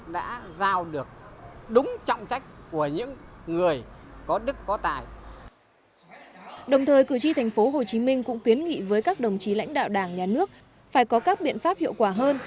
đồng thời cử tri tp hcm cũng kiến nghị với các đồng chí lãnh đạo đảng nhà nước phải có các biện pháp hiệu quả hơn